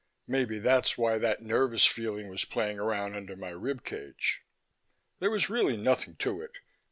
Maybe that's why that nervous feeling was playing around under my rib cage. There was really nothing to it.